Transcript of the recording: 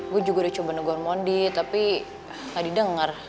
gue juga udah coba negohin moni tapi ga didenger